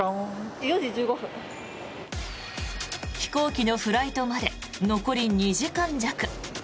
飛行機のフライトまで残り２時間弱。